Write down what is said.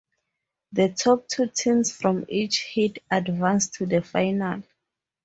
The top two teams from each heat advanced to the final.